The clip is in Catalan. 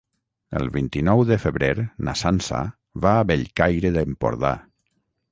El vint-i-nou de febrer na Sança va a Bellcaire d'Empordà.